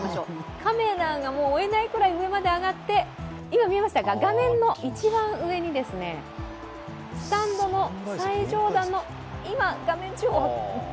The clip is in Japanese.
カメラが追えないぐらい上まで上がって今、見えましたか、画面の一番上に、スタンドの最上段。